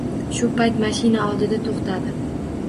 Shu payt mashina oldida toʻxtadi.